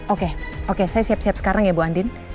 oke oke saya siap siap sekarang ya bu andin